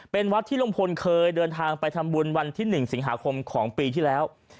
เป็นวัดที่ลุงพลเคยเดินทางไปทำบุญวันที่๑สิงหาคมของปีที่แล้ว